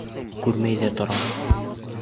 Күрмәй ҙә торам.